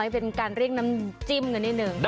เป็นการเรียกน้ำจิ้มกันนิดนึง